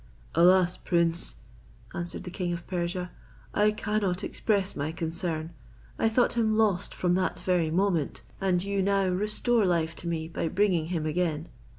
"Alas prince," answered the king of Persia, "I cannot express my concern. I thought him lost from that very moment, and you now restore life to me by bringing him again."